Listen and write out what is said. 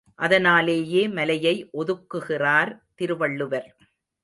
அதனாலேயே மலையை ஒதுக்குகிறார் திருவள்ளுவர்.